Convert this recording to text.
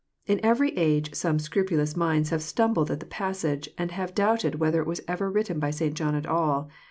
In every age some scrupulous minds have stumbled at the passage, and have doubted whether it was ever written by St. John at all.